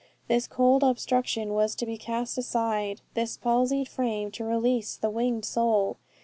This cold obstruction was to be cast aside, this palsied frame to release the winged soul.